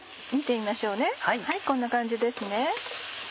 見てみましょうこんな感じです。